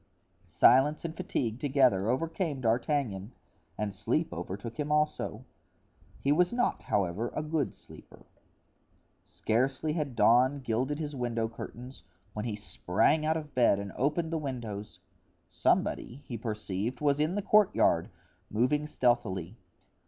Silence and fatigue together overcame D'Artagnan and sleep overtook him also. He was not, however, a good sleeper. Scarcely had dawn gilded his window curtains when he sprang out of bed and opened the windows. Somebody, he perceived, was in the courtyard, moving stealthily.